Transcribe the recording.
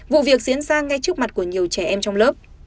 vụ việc diễn ra ngay trước mặt của nhiều trẻ em trong lớp